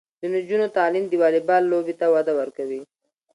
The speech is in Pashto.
د نجونو تعلیم د والیبال لوبې ته وده ورکوي.